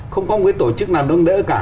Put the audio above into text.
không có một cái tổ chức nào nâng đỡ cả